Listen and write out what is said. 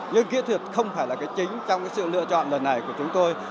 nhưng kỹ thuật không phải là cái chính trong cái sự lựa chọn lần này của chúng tôi